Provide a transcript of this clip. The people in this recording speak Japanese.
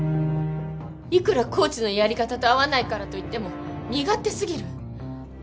いくらコーチのやり方と合わないからと言っても身勝手すぎる。